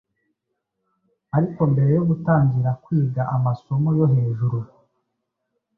Ariko mbere yo gutangira kwiga amasomo yo hejuru,